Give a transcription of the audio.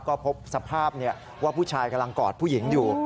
ก็พบสภาพว่าผู้ชายกำลังกอดผู้หญิงอยู่